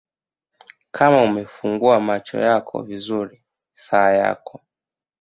Kama umefungua macho yako vizuri saa yako